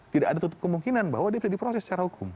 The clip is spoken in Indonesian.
tidak ada tutup kemungkinan bahwa dia bisa diproses secara hukum